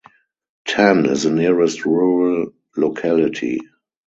Tan is the nearest rural locality.